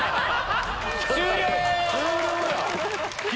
終了！